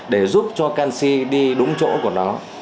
để giúp cho canxi đi đúng chỗ của nó